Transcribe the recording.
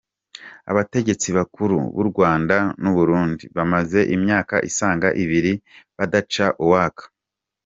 Abategetsi bakuru b’u Rwanda n’u Burundi bamaze imyaka isaga ibiri badacana uwaka.